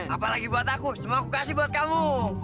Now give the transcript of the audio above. apa lagi buat aku semua aku kasih buat kamu